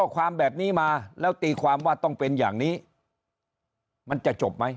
ความแบบนี้มาแล้วตีความว่าต้องเป็นอย่างนี้มันจะจบไหม